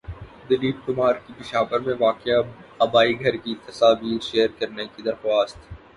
دلیپ کمار کی پشاور میں واقع بائی گھر کی تصاویر شیئر کرنے کی درخواست